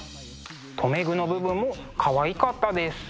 留め具の部分もかわいかったです。